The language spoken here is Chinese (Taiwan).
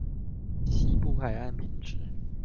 西部海岸平直